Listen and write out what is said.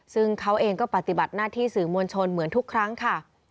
ซึ่งเขาเองก็ปฏิบัติหน้าที่สื่อมวลชนเหมือนทุกครั้งค่ะ